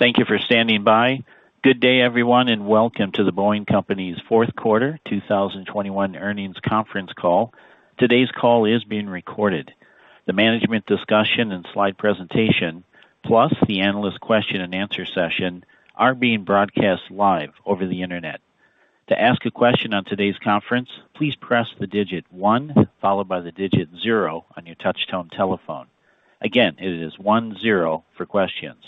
Thank you for standing by. Good day, everyone, and welcome to The Boeing Company's fourth quarter 2021 earnings conference call. Today's call is being recorded. The management discussion and slide presentation, plus the analyst question-and-answer session are being broadcast live over the Internet. To ask a question on today's conference, please press the digit one, followed by the digit zero on your touchtone telephone. Again, it is one-zero for questions.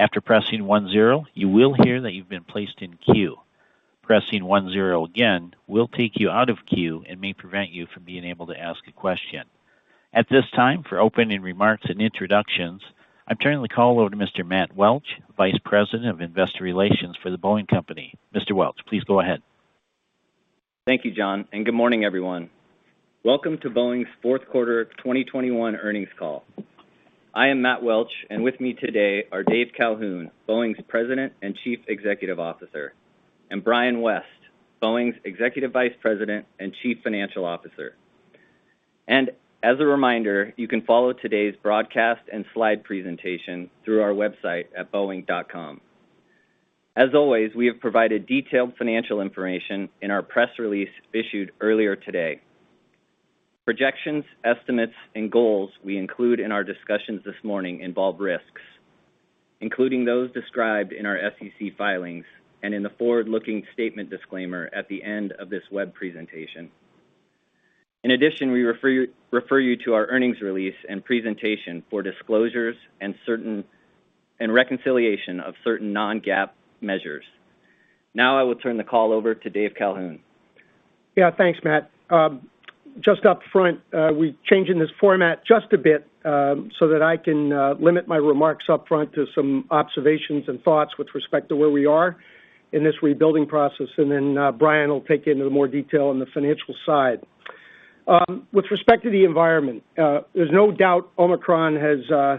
After pressing one-zero, you will hear that you've been placed in queue. Pressing one-zero again will take you out of queue and may prevent you from being able to ask a question. At this time, for opening remarks and introductions, I'm turning the call over to Mr. Matt Welch, Vice President of Investor Relations for The Boeing Company. Mr. Welch, please go ahead. Thank you, John, and good morning, everyone. Welcome to Boeing's fourth quarter of 2021 earnings call. I am Matt Welch, and with me today are Dave Calhoun, Boeing's President and Chief Executive Officer, and Brian West, Boeing's Executive Vice President and Chief Financial Officer. As a reminder, you can follow today's broadcast and slide presentation through our website at boeing.com. As always, we have provided detailed financial information in our press release issued earlier today. Projections, estimates, and goals we include in our discussions this morning involve risks, including those described in our SEC filings and in the forward-looking statement disclaimer at the end of this web presentation. In addition, we refer you to our earnings release and presentation for disclosures and certain and reconciliation of certain non-GAAP measures. Now I will turn the call over to Dave Calhoun. Yeah. Thanks, Matt. Just up front, we're changing this format just a bit, so that I can limit my remarks up front to some observations and thoughts with respect to where we are in this rebuilding process, and then, Brian will take you into more detail on the financial side. With respect to the environment, there's no doubt Omicron has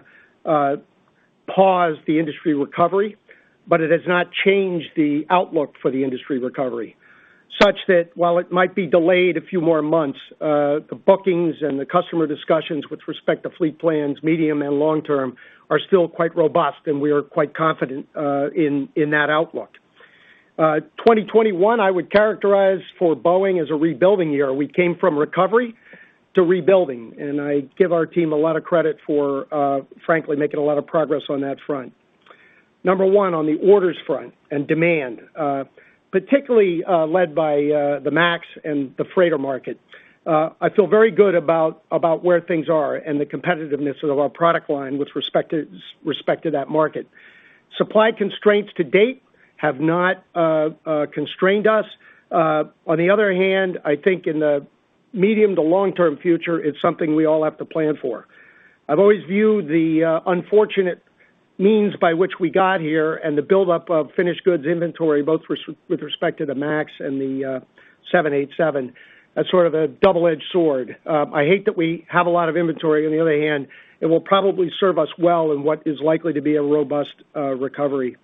paused the industry recovery, but it has not changed the outlook for the industry recovery, such that while it might be delayed a few more months, the bookings and the customer discussions with respect to fleet plans, medium and long term, are still quite robust, and we are quite confident in that outlook. 2021, I would characterize for Boeing as a rebuilding year. We came from recovery to rebuilding, and I give our team a lot of credit for frankly making a lot of progress on that front. Number one, on the orders front and demand, particularly led by the MAX and the freighter market. I feel very good about where things are and the competitiveness of our product line with respect to that market. Supply constraints to date have not constrained us. On the other hand, I think in the medium to long-term future, it's something we all have to plan for. I've always viewed the unfortunate means by which we got here and the buildup of finished goods inventory, both with respect to the MAX and the 787, as sort of a double-edged sword. I hate that we have a lot of inventory. On the other hand, it will probably serve us well in what is likely to be a robust recovery.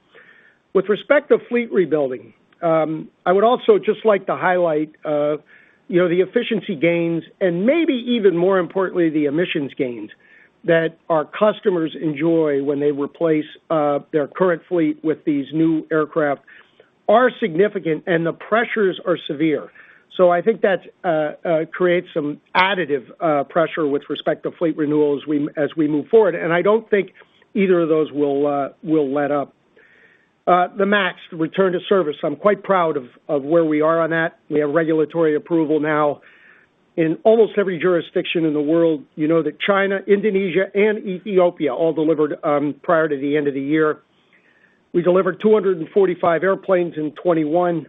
With respect to fleet rebuilding, I would also just like to highlight, you know, the efficiency gains and maybe even more importantly, the emissions gains that our customers enjoy when they replace their current fleet with these new aircraft are significant, and the pressures are severe. I think that creates some additive pressure with respect to fleet renewal as we move forward. I don't think either of those will let up. The MAX return to service, I'm quite proud of where we are on that. We have regulatory approval now in almost every jurisdiction in the world. You know that China, Indonesia, and Ethiopia all delivered prior to the end of the year. We delivered 245 airplanes in 2021.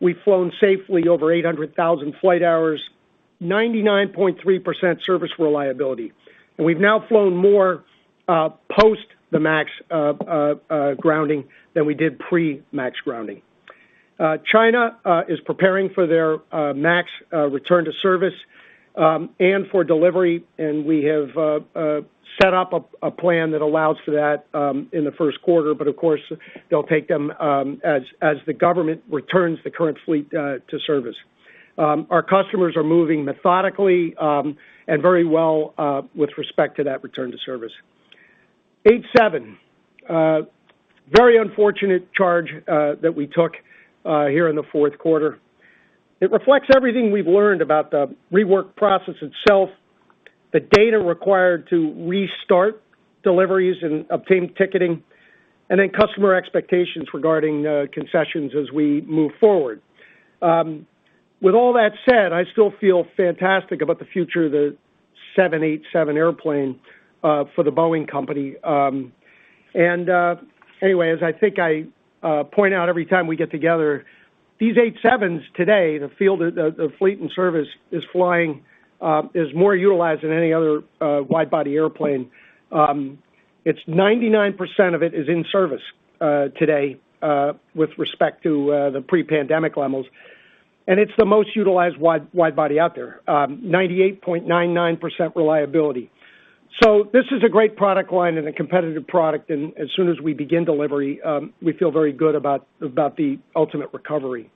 We've flown safely over 800,000 flight hours, 99.3% service reliability. We've now flown more post the MAX grounding than we did pre-MAX grounding. China is preparing for their MAX return to service and for delivery, and we have set up a plan that allows for that in the first quarter. Of course, they'll take them as the government returns the current fleet to service. Our customers are moving methodically and very well with respect to that return to service. 787 very unfortunate charge that we took here in the fourth quarter. It reflects everything we've learned about the rework process itself, the data required to restart deliveries and obtain ticketing, and then customer expectations regarding concessions as we move forward. With all that said, I still feel fantastic about the future of the 787 airplane for The Boeing Company. As I think I point out every time we get together, these 787s today, the fleet in service is more utilized than any other wide-body airplane. It's 99% of it is in service today with respect to the pre-pandemic levels. It's the most utilized wide-body out there, 98.99% reliability. This is a great product line and a competitive product. As soon as we begin delivery, we feel very good about the ultimate recovery.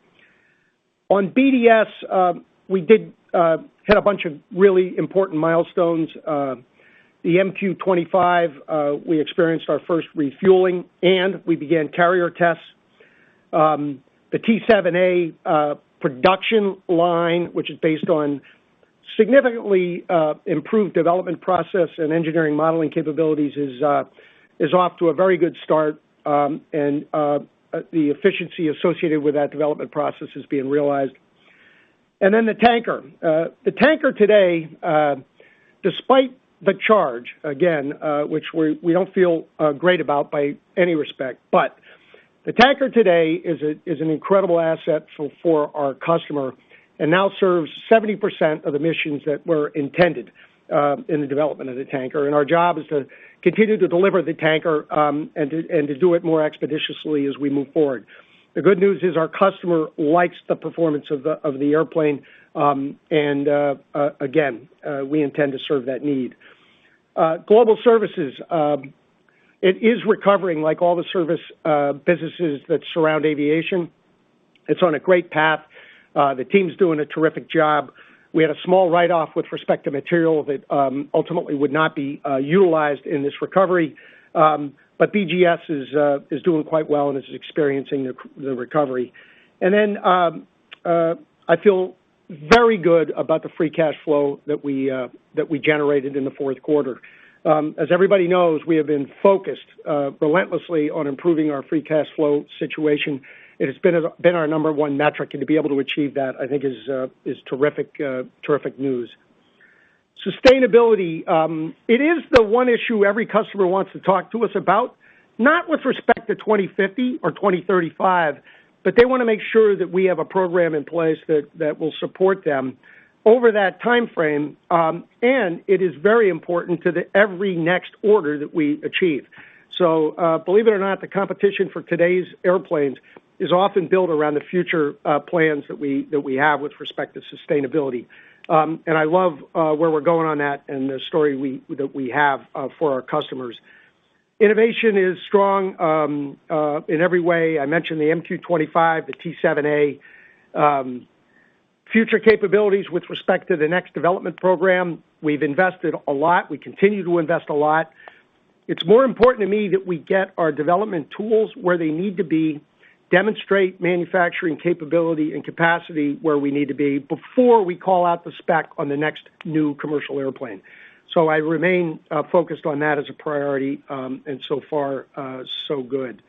On BDS, we did hit a bunch of really important milestones. The MQ-25, we experienced our first refueling, and we began carrier tests. The T-7A production line, which is based on significantly improved development process and engineering modeling capabilities, is off to a very good start. The efficiency associated with that development process is being realized. Then the tanker. The tanker today, despite the charge, again, which we don't feel great about by any stretch. The tanker today is an incredible asset for our customer and now serves 70% of the missions that were intended in the development of the tanker. Our job is to continue to deliver the tanker, and to do it more expeditiously as we move forward. The good news is our customer likes the performance of the airplane. Again, we intend to serve that need. Global Services, it is recovering like all the service businesses that surround aviation. It's on a great path. The team's doing a terrific job. We had a small write-off with respect to material that ultimately would not be utilized in this recovery. But BGS is doing quite well and is experiencing the recovery. Then, I feel very good about the free cash flow that we generated in the fourth quarter. As everybody knows, we have been focused relentlessly on improving our free cash flow situation. It has been our number one metric, and to be able to achieve that, I think is terrific news. Sustainability, it is the one issue every customer wants to talk to us about, not with respect to 2050 or 2035, but they wanna make sure that we have a program in place that will support them over that timeframe. It is very important to every next order that we achieve. Believe it or not, the competition for today's airplanes is often built around the future plans that we have with respect to sustainability. I love where we're going on that and the story that we have for our customers. Innovation is strong in every way. I mentioned the MQ-25, the T-7A. Future capabilities with respect to the next development program, we've invested a lot. We continue to invest a lot. It's more important to me that we get our development tools where they need to be, demonstrate manufacturing capability and capacity where we need to be before we call out the spec on the next new commercial airplane. I remain focused on that as a priority, and so far, so good.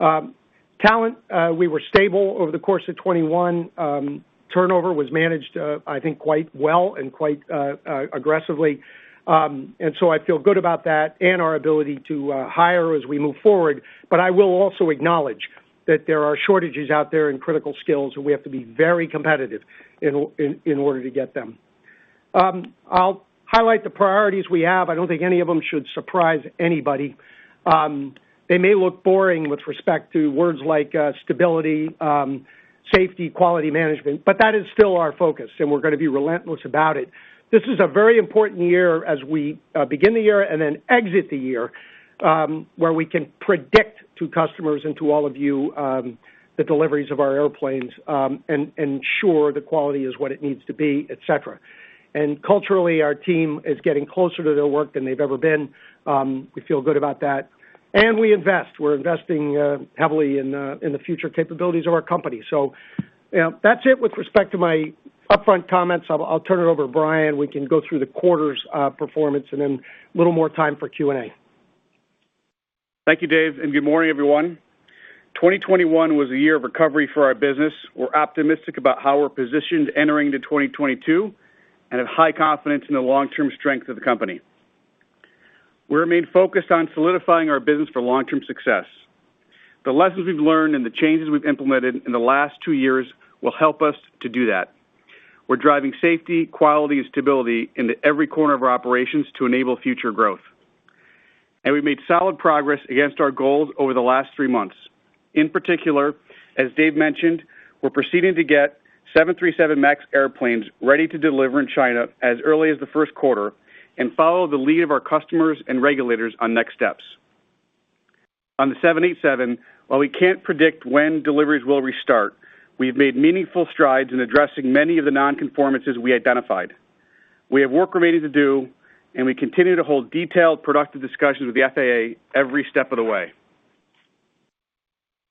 Talent, we were stable over the course of 2021. Turnover was managed, I think quite well and quite aggressively. I feel good about that and our ability to hire as we move forward. I will also acknowledge that there are shortages out there in critical skills, and we have to be very competitive in order to get them. I'll highlight the priorities we have. I don't think any of them should surprise anybody. They may look boring with respect to words like stability, safety, quality management, but that is still our focus, and we're gonna be relentless about it. This is a very important year as we begin the year and then exit the year, where we can predict to customers and to all of you the deliveries of our airplanes and ensure the quality is what it needs to be, et cetera. Culturally, our team is getting closer to their work than they've ever been. We feel good about that. We invest. We're investing heavily in the future capabilities of our company. You know, that's it with respect to my upfront comments. I'll turn it over to Brian. We can go through the quarter's performance and then a little more time for Q&A. Thank you, Dave, and good morning, everyone. 2021 was a year of recovery for our business. We're optimistic about how we're positioned entering into 2022 and have high confidence in the long-term strength of the company. We remain focused on solidifying our business for long-term success. The lessons we've learned and the changes we've implemented in the last two years will help us to do that. We're driving safety, quality, and stability into every corner of our operations to enable future growth. We've made solid progress against our goals over the last three months. In particular, as Dave mentioned, we're proceeding to get 737 MAX airplanes ready to deliver in China as early as the first quarter and follow the lead of our customers and regulators on next steps. On the 787, while we can't predict when deliveries will restart, we've made meaningful strides in addressing many of the non-conformances we identified. We have work remaining to do, and we continue to hold detailed, productive discussions with the FAA every step of the way.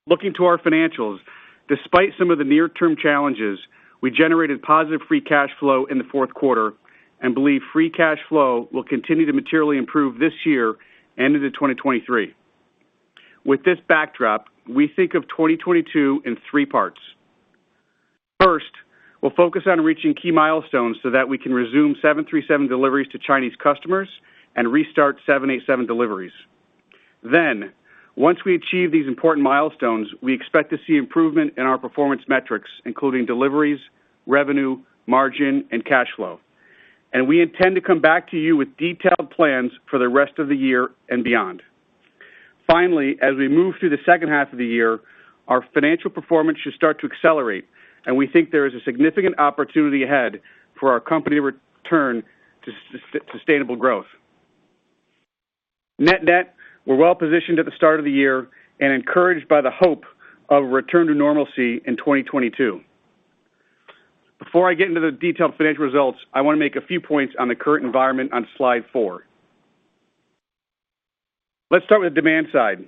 Looking to our financials, despite some of the near-term challenges, we generated positive free cash flow in the fourth quarter and believe free cash flow will continue to materially improve this year and into 2023. With this backdrop, we think of 2022 in three parts. First, we'll focus on reaching key milestones so that we can resume 737 deliveries to Chinese customers and restart 787 deliveries. Once we achieve these important milestones, we expect to see improvement in our performance metrics, including deliveries, revenue, margin, and cash flow. We intend to come back to you with detailed plans for the rest of the year and beyond. Finally, as we move through the second half of the year, our financial performance should start to accelerate, and we think there is a significant opportunity ahead for our company return to sustainable growth. Net net, we're well-positioned at the start of the year and encouraged by the hope of a return to normalcy in 2022. Before I get into the detailed financial results, I wanna make a few points on the current environment on slide four. Let's start with demand side.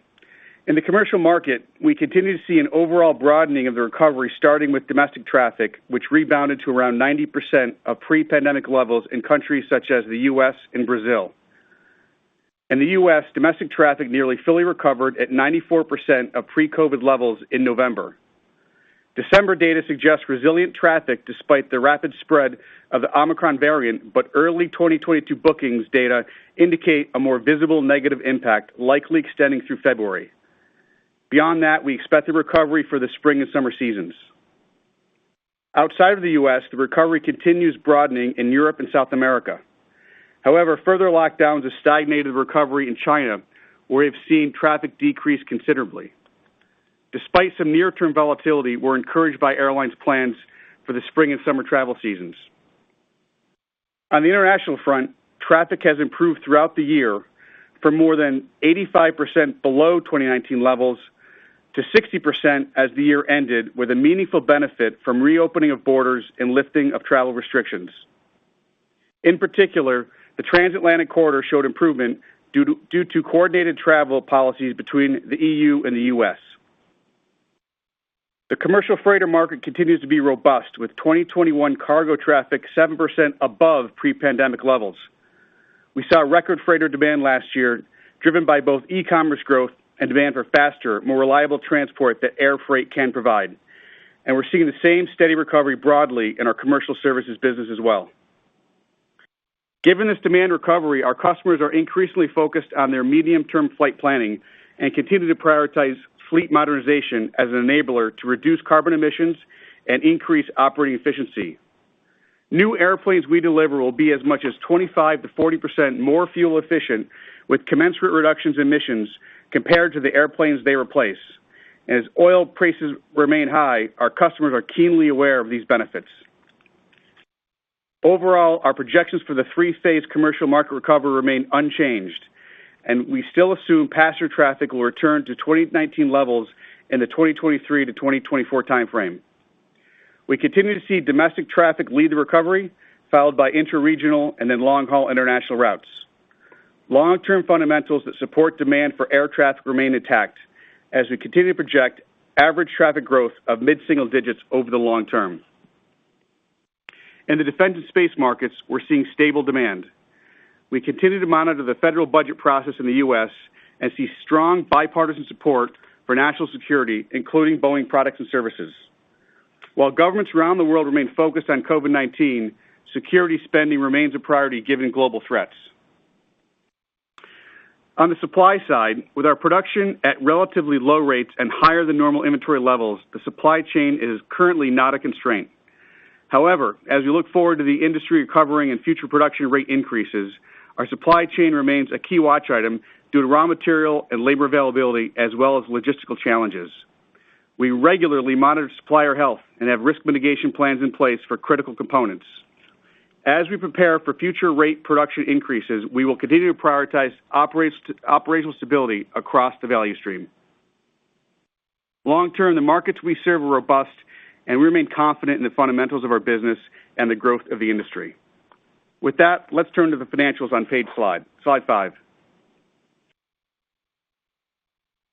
In the commercial market, we continue to see an overall broadening of the recovery, starting with domestic traffic, which rebounded to around 90% of pre-pandemic levels in countries such as the U.S. and Brazil. In the U.S., domestic traffic nearly fully recovered at 94% of pre-COVID levels in November. December data suggests resilient traffic despite the rapid spread of the Omicron variant, but early 2022 bookings data indicate a more visible negative impact, likely extending through February. Beyond that, we expect a recovery for the spring and summer seasons. Outside of the U.S., the recovery continues broadening in Europe and South America. However, further lockdowns have stagnated recovery in China, where we've seen traffic decrease considerably. Despite some near-term volatility, we're encouraged by airlines' plans for the spring and summer travel seasons. On the international front, traffic has improved throughout the year from more than 85% below 2019 levels to 60% as the year ended with a meaningful benefit from reopening of borders and lifting of travel restrictions. In particular, the transatlantic corridor showed improvement due to coordinated travel policies between the EU and the U.S. The commercial freighter market continues to be robust with 2021 cargo traffic 7% above pre-pandemic levels. We saw record freighter demand last year, driven by both e-commerce growth and demand for faster, more reliable transport that air freight can provide. We're seeing the same steady recovery broadly in our commercial services business as well. Given this demand recovery, our customers are increasingly focused on their medium-term flight planning and continue to prioritize fleet modernization as an enabler to reduce carbon emissions and increase operating efficiency. New airplanes we deliver will be as much as 25%-40% more fuel efficient with commensurate reductions in emissions compared to the airplanes they replace. As oil prices remain high, our customers are keenly aware of these benefits. Overall, our projections for the three-phase commercial market recovery remain unchanged, and we still assume passenger traffic will return to 2019 levels in the 2023-2024 timeframe. We continue to see domestic traffic lead the recovery, followed by interregional and then long-haul international routes. Long-term fundamentals that support demand for air traffic remain intact as we continue to project average traffic growth of mid-single digits over the long term. In the defense and space markets, we're seeing stable demand. We continue to monitor the federal budget process in the U.S. and see strong bipartisan support for national security, including Boeing products and services. While governments around the world remain focused on COVID-19, security spending remains a priority given global threats. On the supply side, with our production at relatively low rates and higher than normal inventory levels, the supply chain is currently not a constraint. However, as we look forward to the industry recovering and future production rate increases, our supply chain remains a key watch item due to raw material and labor availability as well as logistical challenges. We regularly monitor supplier health and have risk mitigation plans in place for critical components. As we prepare for future rate production increases, we will continue to prioritize operational stability across the value stream. Long term, the markets we serve are robust, and we remain confident in the fundamentals of our business and the growth of the industry. With that, let's turn to the financials on page five, slide five.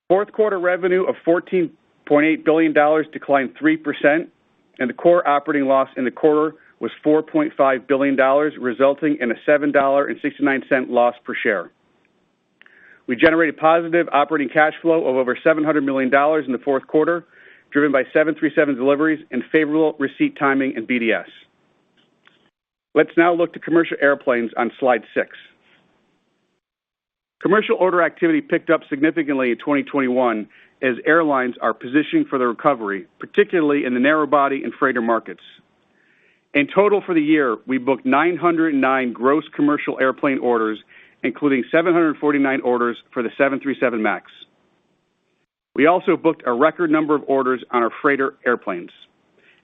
Fourth quarter revenue of $14.8 billion declined 3%, and the core operating loss in the quarter was $4.5 billion, resulting in a $7.69 loss per share. We generated positive operating cash flow of over $700 million in the fourth quarter, driven by 737 deliveries and favorable receipt timing in BDS. Let's now look to commercial airplanes on slide six. Commercial order activity picked up significantly in 2021 as airlines are positioning for the recovery, particularly in the narrow body and freighter markets. In total for the year, we booked 909 gross commercial airplane orders, including 749 orders for the 737 MAX. We also booked a record number of orders on our freighter airplanes,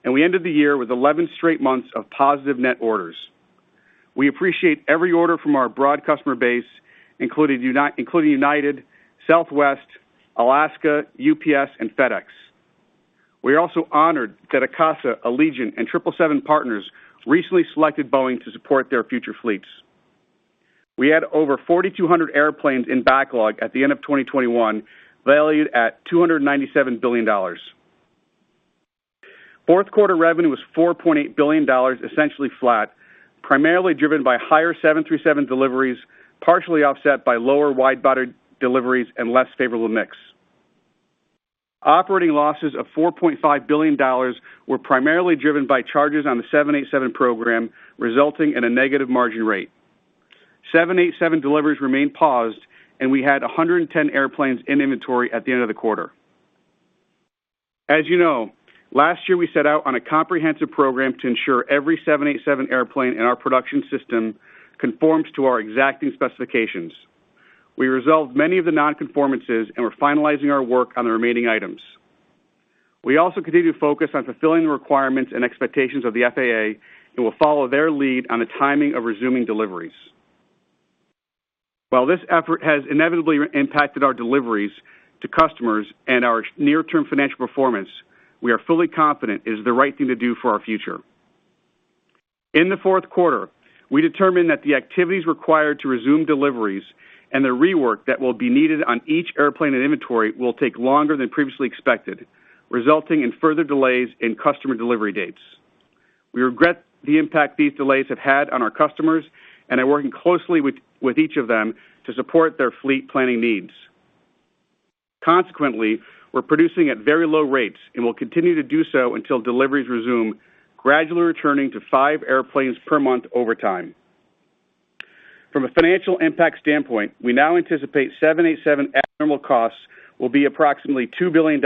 and we ended the year with 11 straight months of positive net orders. We appreciate every order from our broad customer base, including United, Southwest, Alaska, UPS, and FedEx. We are also honored that ACASS, Allegiant, and 777 Partners recently selected Boeing to support their future fleets. We had over 4,200 airplanes in backlog at the end of 2021, valued at $297 billion. Fourth quarter revenue was $4.8 billion, essentially flat, primarily driven by higher 737 deliveries, partially offset by lower wide-body deliveries and less favorable mix. Operating losses of $4.5 billion were primarily driven by charges on the 787 program, resulting in a negative margin rate. 787 deliveries remain paused, and we had 110 airplanes in inventory at the end of the quarter. As you know, last year we set out on a comprehensive program to ensure every 787 airplane in our production system conforms to our exacting specifications. We resolved many of the non-conformances, and we're finalizing our work on the remaining items. We also continue to focus on fulfilling the requirements and expectations of the FAA, and we'll follow their lead on the timing of resuming deliveries. While this effort has inevitably impacted our deliveries to customers and our near-term financial performance, we are fully confident it is the right thing to do for our future. In the fourth quarter, we determined that the activities required to resume deliveries and the rework that will be needed on each airplane and inventory will take longer than previously expected, resulting in further delays in customer delivery dates. We regret the impact these delays have had on our customers and are working closely with each of them to support their fleet planning needs. Consequently, we're producing at very low rates and will continue to do so until deliveries resume, gradually returning to five airplanes per month over time. From a financial impact standpoint, we now anticipate 787 abnormal costs will be approximately $2 billion,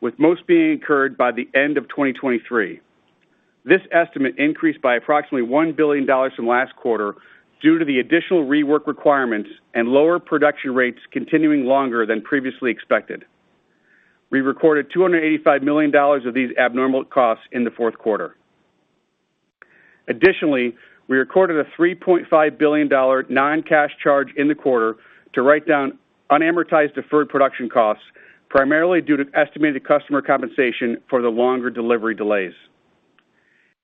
with most being incurred by the end of 2023. This estimate increased by approximately $1 billion from last quarter due to the additional rework requirements and lower production rates continuing longer than previously expected. We recorded $285 million of these abnormal costs in the fourth quarter. Additionally, we recorded a $3.5 billion non-cash charge in the quarter to write down unamortized deferred production costs, primarily due to estimated customer compensation for the longer delivery delays.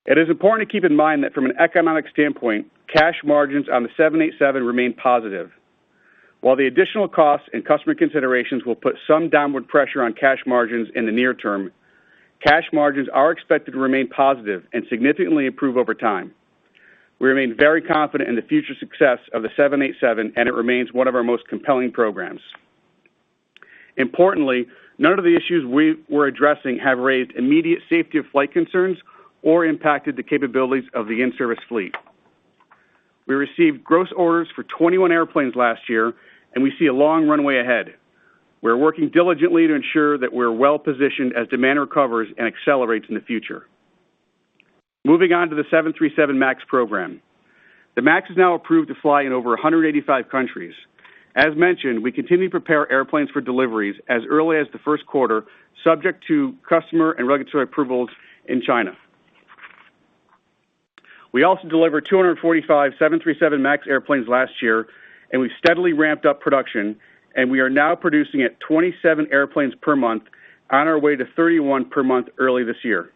It is important to keep in mind that from an economic standpoint, cash margins on the 787 remain positive. While the additional costs and customer considerations will put some downward pressure on cash margins in the near term, cash margins are expected to remain positive and significantly improve over time. We remain very confident in the future success of the 787, and it remains one of our most compelling programs. Importantly, none of the issues we were addressing have raised immediate safety of flight concerns or impacted the capabilities of the in-service fleet. We received gross orders for 21 airplanes last year, and we see a long runway ahead. We're working diligently to ensure that we're well-positioned as demand recovers and accelerates in the future. Moving on to the 737 MAX program. The MAX is now approved to fly in over 185 countries. As mentioned, we continue to prepare airplanes for deliveries as early as the first quarter, subject to customer and regulatory approvals in China. We also delivered 245 737 MAX airplanes last year, and we've steadily ramped up production, and we are now producing at 27 airplanes per month on our way to 31 per month early this year.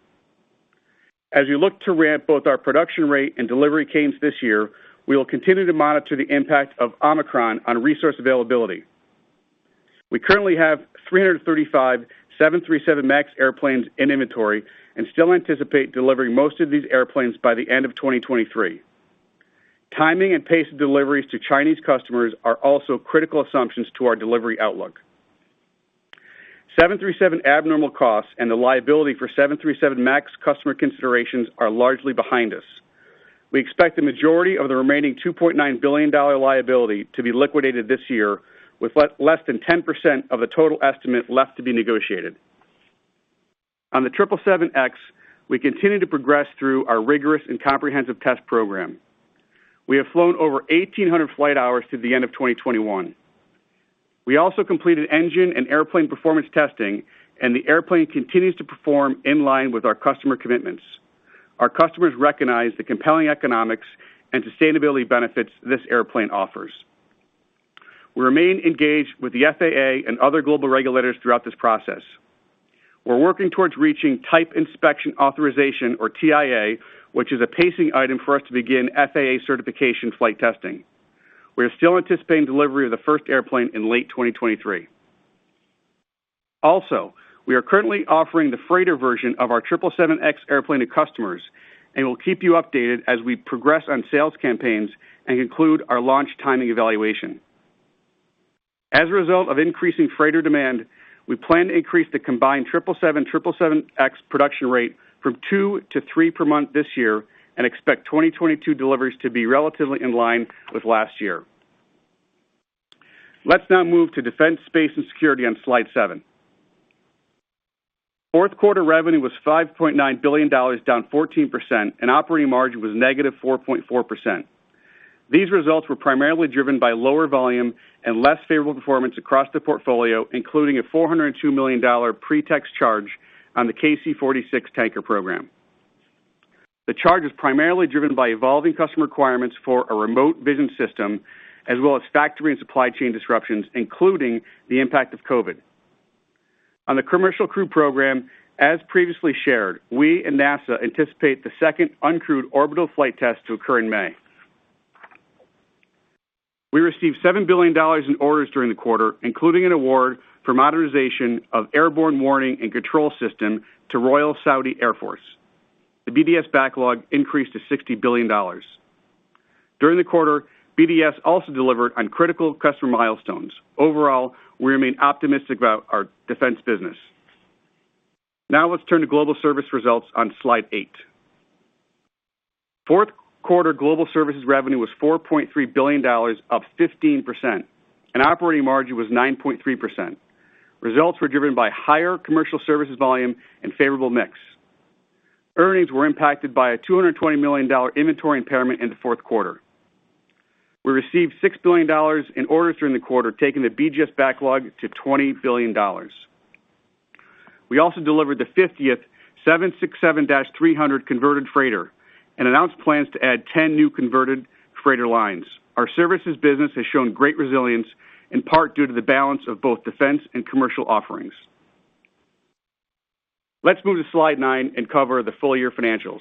As we look to ramp both our production rate and delivery cadence this year, we will continue to monitor the impact of Omicron on resource availability. We currently have 335 737 MAX airplanes in inventory and still anticipate delivering most of these airplanes by the end of 2023. Timing and pace of deliveries to Chinese customers are also critical assumptions to our delivery outlook. 737 abnormal costs and the liability for 737 MAX customer considerations are largely behind us. We expect the majority of the remaining $2.9 billion liability to be liquidated this year, with less than 10% of the total estimate left to be negotiated. On the 777X, we continue to progress through our rigorous and comprehensive test program. We have flown over 1,800 flight hours through the end of 2021. We also completed engine and airplane performance testing, and the airplane continues to perform in line with our customer commitments. Our customers recognize the compelling economics and sustainability benefits this airplane offers. We remain engaged with the FAA and other global regulators throughout this process. We're working towards reaching type inspection authorization or TIA, which is a pacing item for us to begin FAA certification flight testing. We are still anticipating delivery of the first airplane in late 2023. Also, we are currently offering the freighter version of our 777X airplane to customers, and we'll keep you updated as we progress on sales campaigns and conclude our launch timing evaluation. As a result of increasing freighter demand, we plan to increase the combined 777, 777X production rate from two-three per month this year and expect 2022 deliveries to be relatively in line with last year. Let's now move to defense, space, and security on slide seven. Fourth quarter revenue was $5.9 billion, down 14%, and operating margin was -4.4%. These results were primarily driven by lower volume and less favorable performance across the portfolio, including a $402 million pre-tax charge on the KC-46 tanker program. The charge is primarily driven by evolving customer requirements for a Remote Vision System, as well as factory and supply chain disruptions, including the impact of COVID. On the Commercial Crew program, as previously shared, we and NASA anticipate the second uncrewed orbital flight test to occur in May. We received $7 billion in orders during the quarter, including an award for modernization of Airborne Warning and Control System to Royal Saudi Air Force. The BDS backlog increased to $60 billion. During the quarter, BDS also delivered on critical customer milestones. Overall, we remain optimistic about our Defense business. Now let's turn to Global Services results on slide eight. Fourth quarter Global Services revenue was $4.3 billion, up 15%, and operating margin was 9.3%. Results were driven by higher commercial services volume and favorable mix. Earnings were impacted by a $220 million inventory impairment in the fourth quarter. We received $6 billion in orders during the quarter, taking the BGS backlog to $20 billion. We also delivered the 50th 767-300 converted freighter and announced plans to add 10 new converted freighter lines. Our services business has shown great resilience, in part due to the balance of both defense and commercial offerings. Let's move to slide nine and cover the full year financials.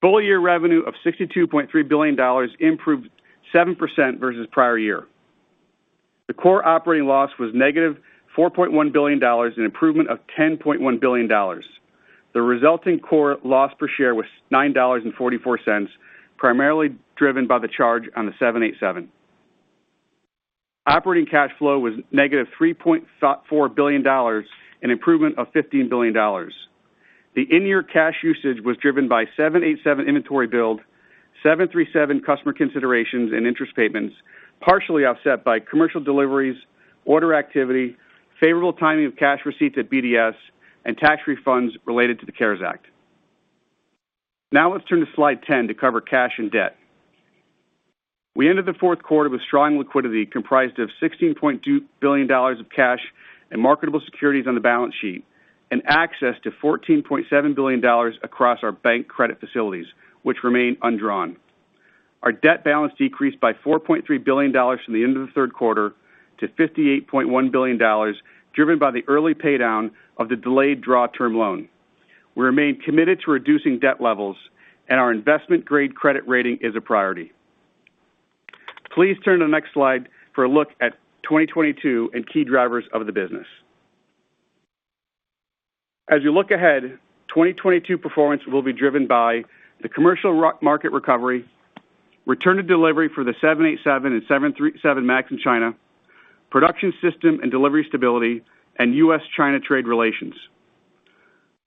Full year revenue of $62.3 billion improved 7% versus prior year. The core operating loss was -$4.1 billion, an improvement of $10.1 billion. The resulting core loss per share was $9.44, primarily driven by the charge on the 787. Operating cash flow was -$3.4 billion, an improvement of $15 billion. The in-year cash usage was driven by 787 inventory build, 737 customer considerations and interest payments, partially offset by commercial deliveries, order activity, favorable timing of cash receipts at BDS, and tax refunds related to the CARES Act. Now let's turn to slide 10 to cover cash and debt. We ended the fourth quarter with strong liquidity comprised of $16.2 billion of cash and marketable securities on the balance sheet and access to $14.7 billion across our bank credit facilities, which remain undrawn. Our debt balance decreased by $4.3 billion from the end of the third quarter to $58.1 billion, driven by the early pay down of the delayed draw term loan. We remain committed to reducing debt levels, and our investment grade credit rating is a priority. Please turn to the next slide for a look at 2022 and key drivers of the business. As you look ahead, 2022 performance will be driven by the commercial market recovery, return to delivery for the 787 and 737 MAX in China, production system and delivery stability, and U.S.-China trade relations.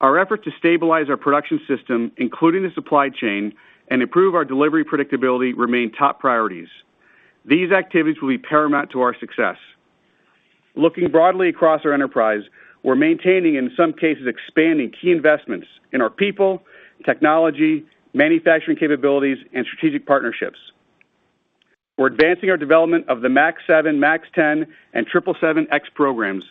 Our effort to stabilize our production system, including the supply chain, and improve our delivery predictability remain top priorities. These activities will be paramount to our success. Looking broadly across our enterprise, we're maintaining, in some cases expanding, key investments in our people, technology, manufacturing capabilities, and strategic partnerships. We're advancing our development of the MAX 7, MAX 10, and 777X programs,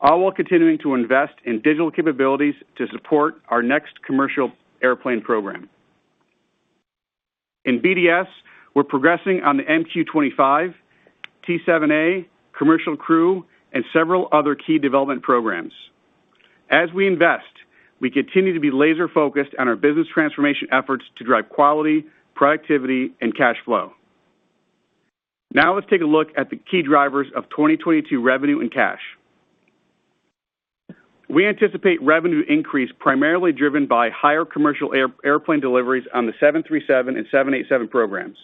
all while continuing to invest in digital capabilities to support our next commercial airplane program. In BDS, we're progressing on the MQ-25, T-7A, Commercial Crew, and several other key development programs. As we invest, we continue to be laser-focused on our business transformation efforts to drive quality, productivity, and cash flow. Now let's take a look at the key drivers of 2022 revenue and cash. We anticipate revenue increase primarily driven by higher commercial airplane deliveries on the 737 and 787 programs.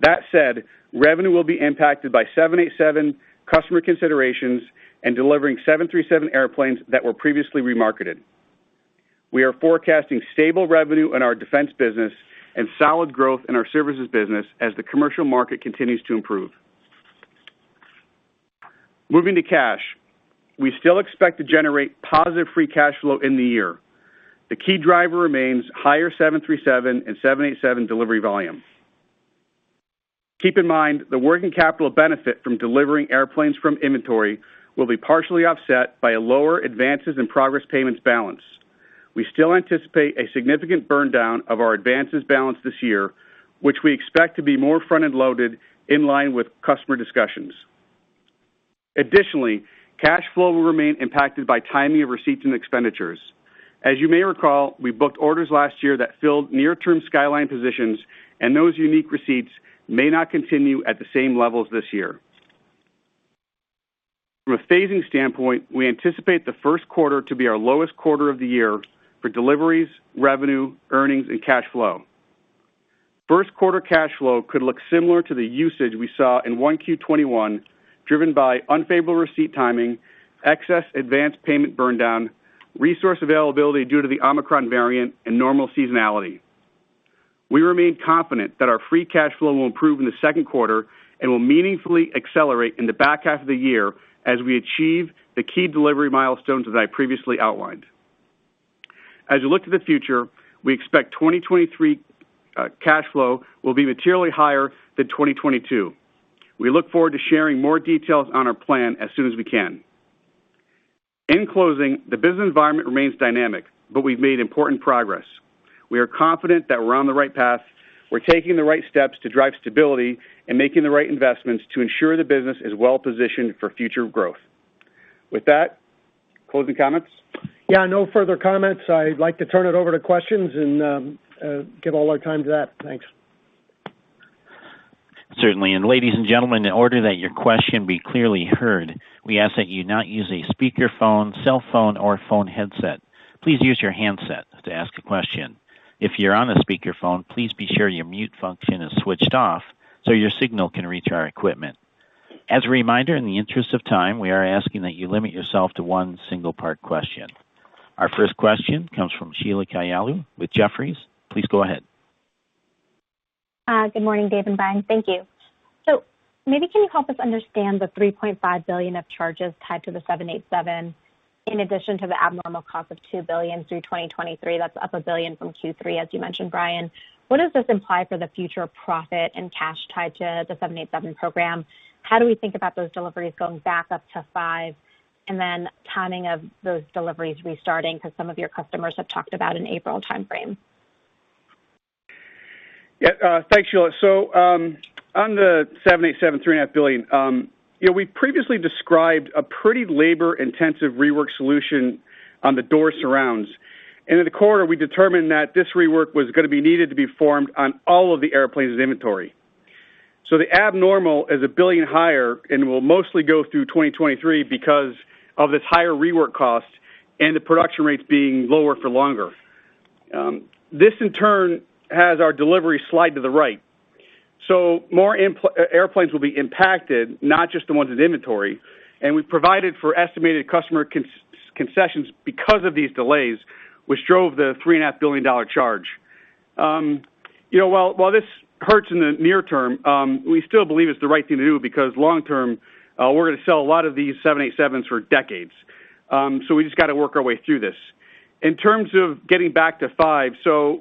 That said, revenue will be impacted by 787 customer considerations and delivering 737 airplanes that were previously remarketed. We are forecasting stable revenue in our defense business and solid growth in our services business as the commercial market continues to improve. Moving to cash. We still expect to generate positive free cash flow in the year. The key driver remains higher 737 and 787 delivery volume. Keep in mind the working capital benefit from delivering airplanes from inventory will be partially offset by a lower advances in progress payments balance. We still anticipate a significant burn down of our advances balance this year, which we expect to be more front-end loaded in line with customer discussions. Additionally, cash flow will remain impacted by timing of receipts and expenditures. As you may recall, we booked orders last year that filled near-term skyline positions, and those unique receipts may not continue at the same levels this year. From a phasing standpoint, we anticipate the first quarter to be our lowest quarter of the year for deliveries, revenue, earnings, and cash flow. First quarter cash flow could look similar to the usage we saw in 1Q 2021, driven by unfavorable receipt timing, excess advanced payment burn down, resource availability due to the Omicron variant, and normal seasonality. We remain confident that our free cash flow will improve in the second quarter and will meaningfully accelerate in the back half of the year as we achieve the key delivery milestones as I previously outlined. As you look to the future, we expect 2023 cash flow will be materially higher than 2022. We look forward to sharing more details on our plan as soon as we can. In closing, the business environment remains dynamic, but we've made important progress. We are confident that we're on the right path. We're taking the right steps to drive stability and making the right investments to ensure the business is well positioned for future growth. With that, closing comments? Yeah, no further comments. I'd like to turn it over to questions and give all our time to that. Thanks. Certainly. Ladies and gentlemen, in order that your question be clearly heard, we ask that you not use a speakerphone, cell phone, or phone headset. Please use your handset to ask a question. If you're on a speakerphone, please be sure your mute function is switched off so your signal can reach our equipment. As a reminder, in the interest of time, we are asking that you limit yourself to one single part question. Our first question comes from Sheila Kahyaoglu with Jefferies. Please go ahead. Good morning, Dave and Brian. Thank you. Maybe can you help us understand the $3.5 billion of charges tied to the 787 in addition to the abnormal cost of $2 billion through 2023, that's up $1 billion from Q3, as you mentioned, Brian. What does this imply for the future profit and cash tied to the 787 program? How do we think about those deliveries going back up to five, and then timing of those deliveries restarting because some of your customers have talked about an April time frame? Yeah, thanks, Sheila. On the 787, $3.5 billion, you know, we previously described a pretty labor-intensive rework solution on the door surrounds. In the quarter, we determined that this rework was gonna be needed to be performed on all of the airplanes in inventory. The abnormal is $1 billion higher and will mostly go through 2023 because of this higher rework cost and the production rates being lower for longer. This in turn has our delivery slide to the right. More airplanes will be impacted, not just the ones in inventory. We've provided for estimated customer concessions because of these delays, which drove the $3.5 billion charge. You know, while this hurts in the near term, we still believe it's the right thing to do because long term, we're gonna sell a lot of these 787s for decades. We just got to work our way through this. In terms of getting back to five,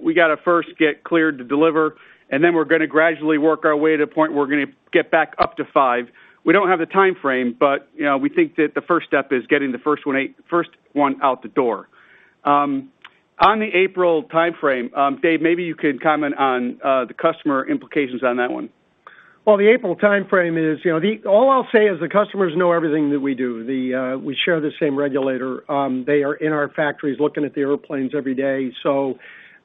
we got to first get cleared to deliver, and then we're gonna gradually work our way to the point where we're gonna get back up to five. We don't have the time frame, but you know, we think that the first step is getting the first one out the door on the April time frame. Dave, maybe you could comment on the customer implications on that one. Well, the April time frame is, you know, the. All I'll say is the customers know everything that we do. We share the same regulator. They are in our factories looking at the airplanes every day. So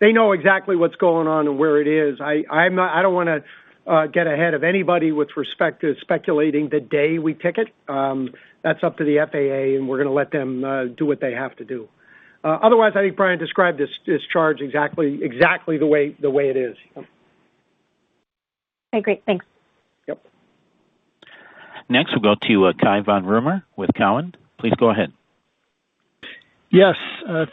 they know exactly what's going on and where it is. I don't wanna get ahead of anybody with respect to speculating the day we ticket. That's up to the FAA, and we're gonna let them do what they have to do. Otherwise, I think Brian described this charge exactly the way it is. Okay, great. Thanks. Yep. Next, we'll go to Cai von Rumohr with Cowen. Please go ahead. Yes.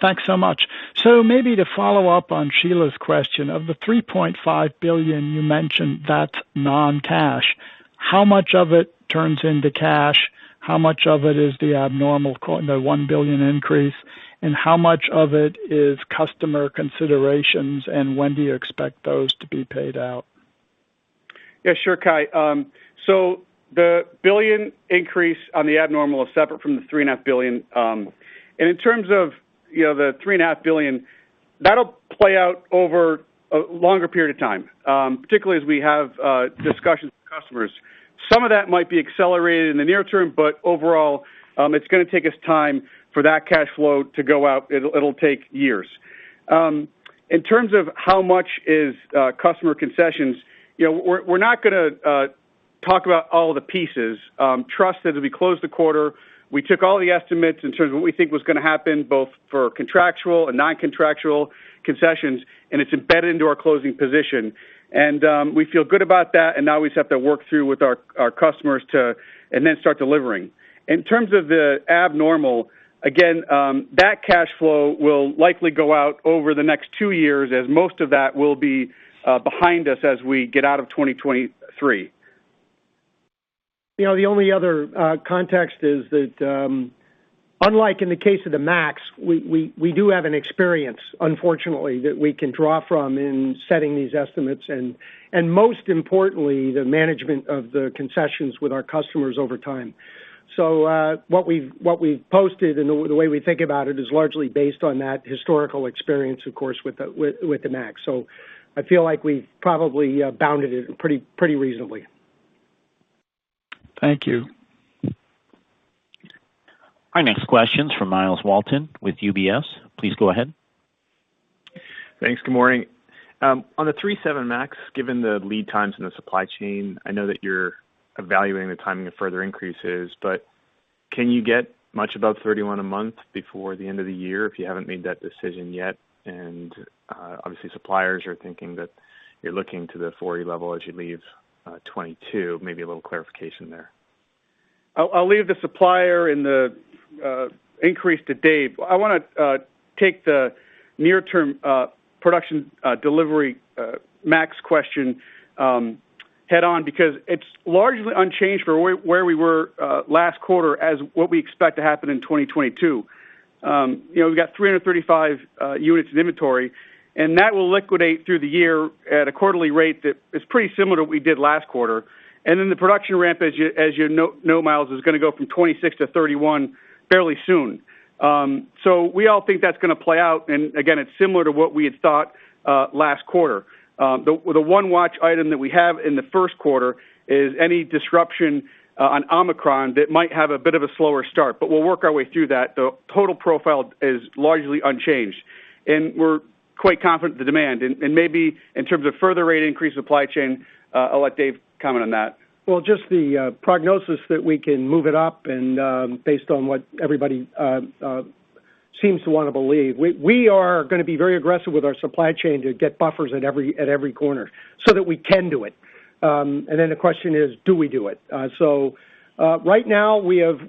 Thanks so much. Maybe to follow up on Sheila's question, of the $3.5 billion you mentioned that's non-cash, how much of it turns into cash? How much of it is the abnormal, the $1 billion increase? And how much of it is customer considerations, and when do you expect those to be paid out? Yeah, sure, Kai. The $1 billion increase on the abnormal is separate from the $3.5 billion. In terms of, you know, the $3.5 billion, that'll play out over a longer period of time, particularly as we have discussions with customers. Some of that might be accelerated in the near term, but overall, it's gonna take us time for that cash flow to go out. It'll take years. In terms of how much is customer concessions, you know, we're not gonna talk about all the pieces. Trust that as we closed the quarter, we took all the estimates in terms of what we think was gonna happen, both for contractual and non-contractual concessions, and it's embedded into our closing position. We feel good about that, and now we just have to work through with our customers and then start delivering. In terms of the abnormal, that cash flow will likely go out over the next two years as most of that will be behind us as we get out of 2023. You know, the only other context is that, unlike in the case of the Max, we do have an experience, unfortunately, that we can draw from in setting these estimates and most importantly, the management of the concessions with our customers over time. What we've posted and the way we think about it is largely based on that historical experience, of course, with the Max. I feel like we probably bounded it pretty reasonably. Thank you. Our next question is from Myles Walton with UBS. Please go ahead. Thanks. Good morning. On the 737 MAX, given the lead times in the supply chain, I know that you're evaluating the timing of further increases, but can you get much above 31 a month before the end of the year if you haven't made that decision yet? Obviously, suppliers are thinking that you're looking to the 40 level as you leave 2022. Maybe a little clarification there? I'll leave the supplier and the increase to Dave. I wanna take the near term production delivery MAX question head on because it's largely unchanged from where we were last quarter as what we expect to happen in 2022. You know, we've got 335 units in inventory, and that will liquidate through the year at a quarterly rate that is pretty similar to what we did last quarter. The production ramp, as you know, Miles, is gonna go from 26 to 31 fairly soon. We all think that's gonna play out, and again, it's similar to what we had thought last quarter. The one watch item that we have in the first quarter is any disruption on Omicron that might have a bit of a slower start, but we'll work our way through that. The total profile is largely unchanged, and we're quite confident in the demand. Maybe in terms of further rate increase supply chain, I'll let Dave comment on that. Well, just the prognosis that we can move it up and, based on what everybody seems to wanna believe, we are gonna be very aggressive with our supply chain to get buffers at every corner so that we can do it. The question is, do we do it? Right now we have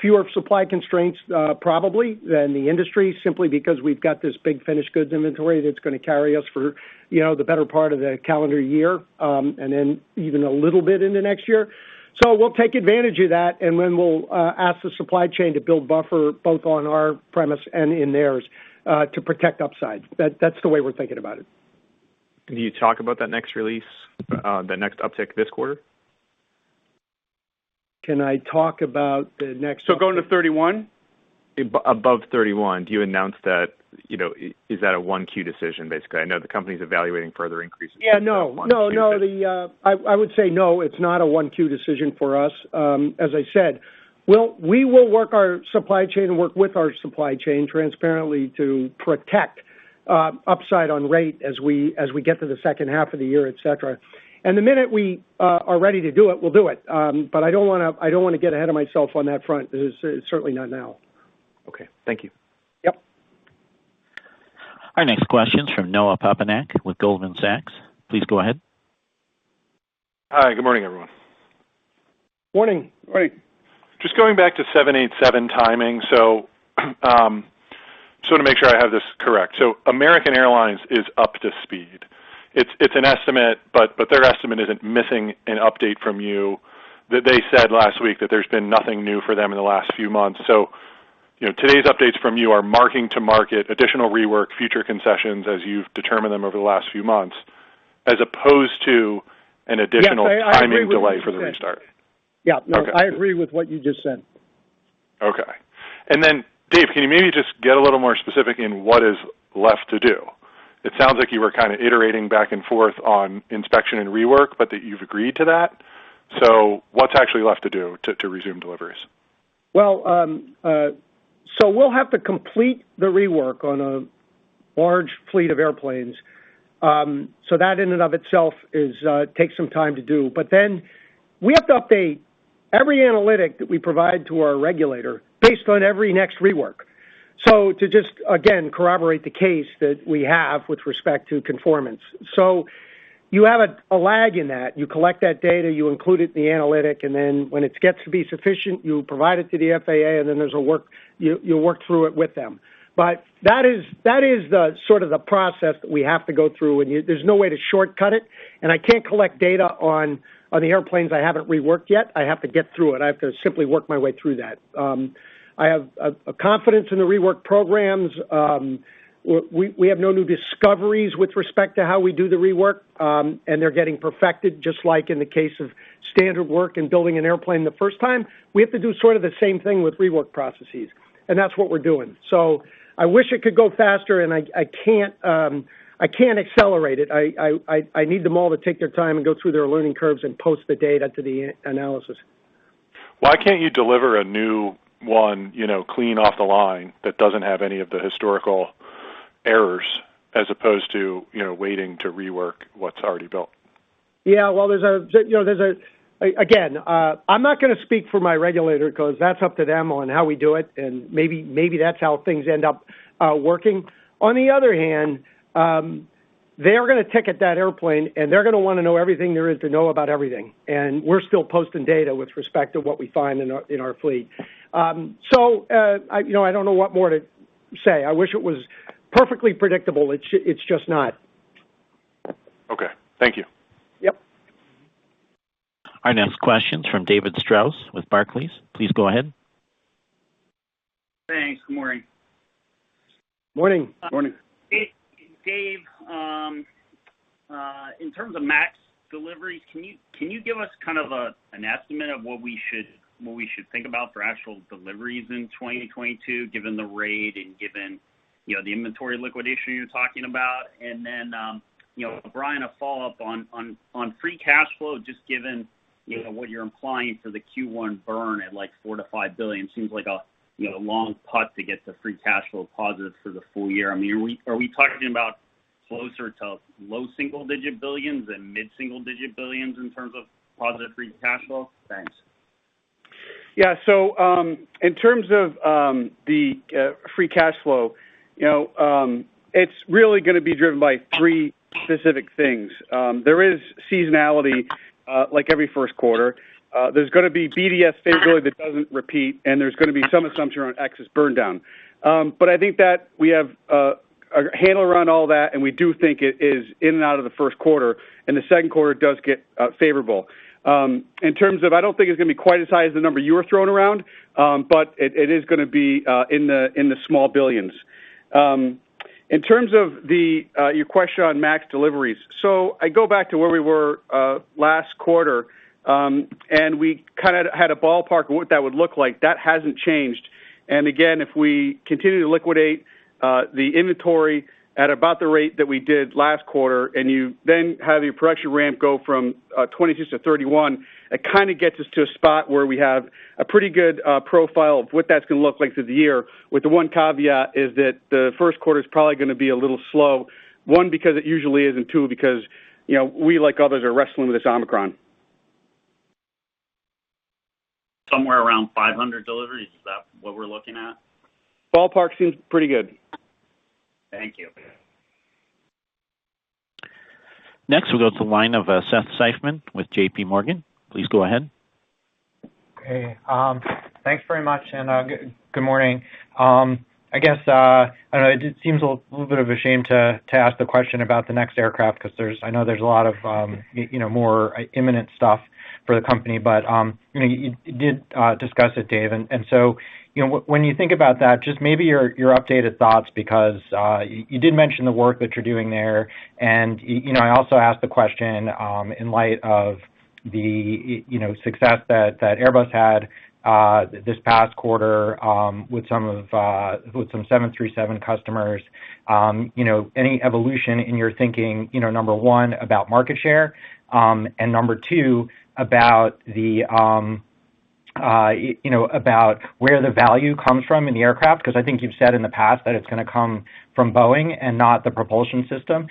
fewer supply constraints, probably than the industry, simply because we've got this big finished goods inventory that's gonna carry us for, you know, the better part of the calendar year, and then even a little bit into next year. We'll take advantage of that, and then we'll ask the supply chain to build buffer both on our premises and in theirs, to protect upside. That's the way we're thinking about it. Can you talk about that next release, the next uptick this quarter? Can I talk about the next, going to 31. Above 31, do you announce that, you know, is that a 1Q decision, basically? I know the company's evaluating further increases? No, it's not a one 1Q decision for us. As I said, we will work our supply chain and work with our supply chain transparently to protect upside on rate as we get to the second half of the year, et cetera. The minute we are ready to do it, we'll do it. But I don't wanna get ahead of myself on that front, certainly not now. Okay, thank you. Yep. Our next question's from Noah Poponak with Goldman Sachs. Please go ahead. Hi, good morning, everyone. Morning. Morning. Just going back to 787 timing, so to make sure I have this correct, so American Airlines is up to speed. It is an estimate but their estimate is not missing an update from you. They said last week that there have been nothing new for them in the last few months. So, you know todays update from you are market to market. Additional rework featured concessions as you have determined over the last few months. As oppose to additional timing delay for the start. Yes. I agree with what you just said. Okay, and then Dave can you get a little bit more specific in what is left to do. It sounds like you were kinda iterating back and forth on inspection and rework. But you have agreed to that, so what is actually left to do, to resume deliveries. Well, we will have to complete the rework on the large fleet of airplanes. So that takes sometime to do, but then we have to update every analytic that we provide to our regulator based on every next rework. So to just again collaborate the case we have with respect to conformance. So you have a lag in that, you collect that data, you include it in the analytic and then when it gets to be sufficient, you provide to the FAA, you work through it with them. But that is sort of the process that we have to go through. There is no way to shortcut it and I cant collect data on the airplanes I havent reworked yet. I have to get through it, I have to simply walk my way through that. I have confidence in the rework program. We have no new discoveries with respect to how we do the rework and they are getting perfected just like in the case of standard work and building an airplane the first time. We have to do the same thing with rework processes and that what we are doing. I wish it could go faster and I cant accelerate it. I need them all to take their time and go through their learning curves and post the data to the the analysis. Why cant you deliver a new one, you know clean off the line that doesnt have any of the historical errors as oppose to waiting to rework what is already built? Again, I am not gonna speak for my regulator because that is up to them on how we do it. Maybe that how things end up working. On the other hand, they are gonna take at that airplane and they are gonna wanna know everything there is to know about everything and we are still posting data with respect with what we find in our fleet. I dont know what more to say, I wish it was perfectly predictable, it just not. Okay thank you. Our next question is from David Strose with Barclays. Dave, in terms of MAX deliveries, can you give us kind of an estimate of what we should think about for actual deliveries in 2022, given the rate and given, you know, the inventory liquidation you're talking about? You know, Brian, a follow-up on free cash flow, just given, you know, what you're implying for the Q1 burn at, like, $4 billion-$5 billion, seems like a, you know, long putt to get to free cash flow positive for the full year. I mean, are we talking about closer to low single-digit billions than mid-single-digit billions in terms of positive free cash flow? Thanks. In terms of the free cash flow, you know, it's really gonna be driven by three specific things. There is seasonality like every first quarter. There's gonna be BDS stability that doesn't repeat, and there's gonna be some assumption around advances burndown. But I think that we have a handle around all that, and we do think it is in and out of the first quarter, and the second quarter does get favorable. In terms of, I don't think it's gonna be quite as high as the number you were throwing around, but it is gonna be in the small billions. In terms of your question on MAX deliveries. I go back to where we were last quarter, and we kinda had a ballpark of what that would look like. That hasn't changed. Again, if we continue to liquidate the inventory at about the rate that we did last quarter, and you then have your production ramp go from 22-31, it kinda gets us to a spot where we have a pretty good profile of what that's gonna look like through the year, with the one caveat is that the first quarter's probably gonna be a little slow, one, because it usually is, and two, because you know, we, like others, are wrestling with this Omicron. Somewhere around 500 deliveries, is that what we're looking at? Ballpark seems pretty good. Thank you. Next, we'll go to the line of, Seth Seifman with JP Morgan. Please go ahead. Hey, thanks very much, and good morning. I guess I don't know. It just seems a little bit of a shame to ask the question about the next aircraft because I know there's a lot of you know more imminent stuff for the company. You know, you did discuss it, Dave. You know when you think about that, just maybe your updated thoughts because you did mention the work that you're doing there. You know, I also ask the question in light of the you know success that Airbus had this past quarter with some 737 customers. You know, any evolution in your thinking, you know, number one, about market share, and number two, about the, you know, about where the value comes from in the aircraft, because I think you've said in the past that it's gonna come from Boeing and not the propulsion system.